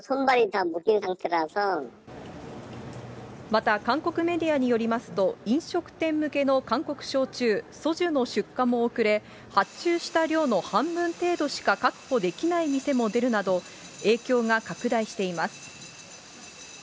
また韓国メディアによりますと、飲食店向けの韓国焼酎、ソジュの出荷も遅れ、発注した量の半分程度しか確保できない店も出るなど、影響が拡大しています。